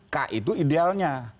k itu idealnya